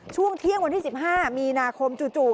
ช่วงเที่ยงวันที่๑๕มีนาคมจู่